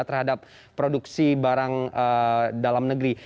terhadap produksi barang dalam negeri